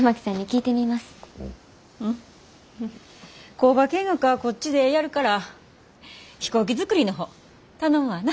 工場見学はこっちでやるから飛行機作りの方頼むわな。